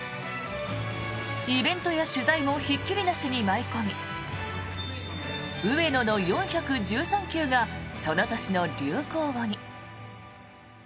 イベントや取材もひっきりなしに舞い込み「上野の４１３球」がその年の流行語に。